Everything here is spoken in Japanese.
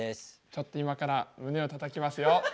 ちょっと今から胸をたたきますよ。